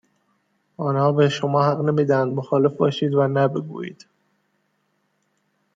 آنها به شما حق نمی دهند مخالف باشید ،و نه بگویید.